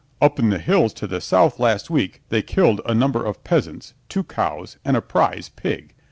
"Up in the hills to the south last week they killed a number of peasants, two cows and a prize pig.